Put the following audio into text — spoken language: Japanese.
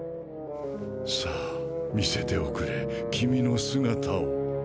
さぁ見せておくれ君の姿を。